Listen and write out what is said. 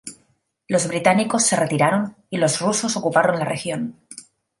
Los británicos se retiraron y los rusos ocuparon la región.